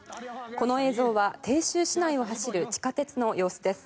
この映像は鄭州市内を走る地下鉄の様子です。